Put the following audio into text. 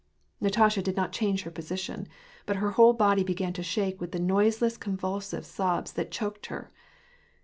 Natasha did not change her position, but her whole body began to shake with the noiseless convulsive sobs that choked her.